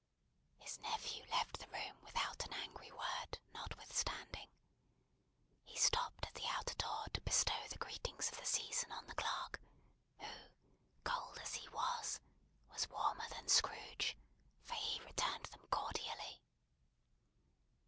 His nephew left the room without an angry word, notwithstanding. He stopped at the outer door to bestow the greetings of the season on the clerk, who, cold as he was, was warmer than Scrooge; for he returned them cordially.